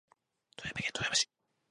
富山県富山市